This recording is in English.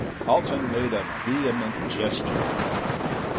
Alten made a vehement gesture.